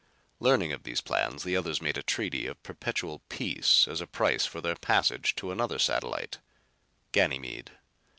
Learning of these plans, the others made a treaty of perpetual peace as a price for their passage to another satellite Ganymede.